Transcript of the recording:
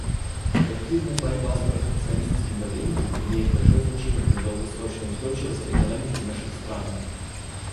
Коллективная борьба с протекционистским давлением имеет большое значение для долгосрочной устойчивости экономики наших стран.